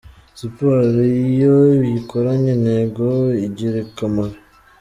Siporo iyo uyikoranye intego igira akamaro.